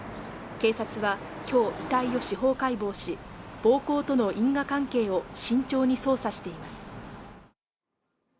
警察は今日遺体を司法解剖し暴行との因果関係を慎重に捜査しています